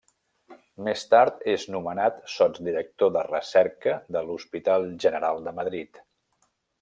Més tard és nomenat sotsdirector de recerca de l'Hospital General de Madrid.